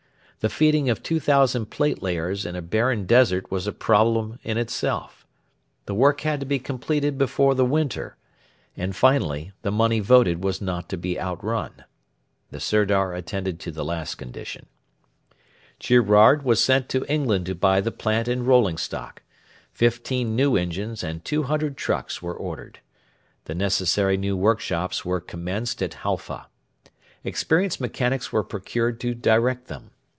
The feeding of 2,000 platelayers in a barren desert was a problem in itself. The work had to be completed before the winter. And, finally, the money voted was not to be outrun. The Sirdar attended to the last condition. Girouard was sent to England to buy the plant and rolling stock. Fifteen new engines and two hundred trucks were ordered. The necessary new workshops were commenced at Halfa. Experienced mechanics were procured to direct them.